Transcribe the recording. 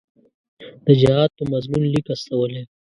د جهاد په مضمون لیک استولی.